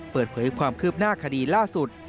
เปิดเผยความคืบหน้าคดีล่าสุด